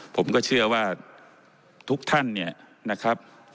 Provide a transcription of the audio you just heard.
ผมก็เชื่อว่าทุกท่านเนี่ยนะครับ